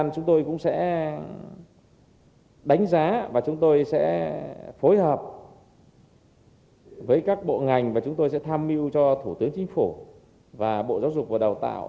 chúng tôi sẽ phối hợp với các bộ ngành và chúng tôi sẽ tham mưu cho thủ tướng chính phủ và bộ giáo dục và đào tạo